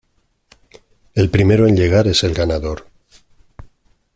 El primero en llegar es el ganador.